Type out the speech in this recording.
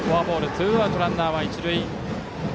ツーアウト、ランナーは一塁。